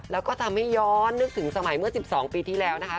แล้วก็ทำให้ย้อนนึกถึงสมัยเมื่อ๑๒ปีที่แล้วนะคะ